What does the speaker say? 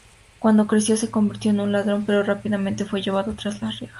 Cuando creció se convirtió en un ladrón pero rápidamente fue llevado tras las rejas.